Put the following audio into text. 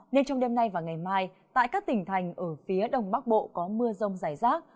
nên trong đêm nay và ngày mai tại các tỉnh thành ở phía đông bắc bộ có mưa rông rải rác